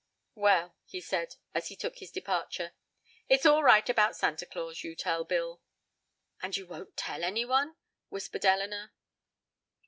"Well," he said, as he took his departure, "it's all right about Santa Claus, you tell Bill." "And you won't tell anyone," whispered Elinor.